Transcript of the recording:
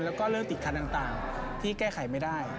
แล้วก็เรื่องติดคันต่างที่แก้ไขไม่ได้